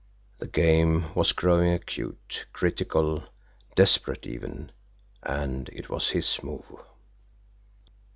The game was growing acute, critical, desperate even and it was his move.